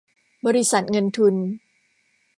บริษัทเงินทุน